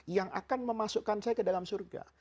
yang akan memasukkan saya ke dalam surga